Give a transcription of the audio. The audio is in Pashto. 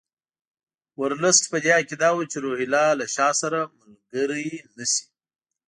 ورلسټ په دې عقیده وو چې روهیله له شاه سره ملګري نه شي.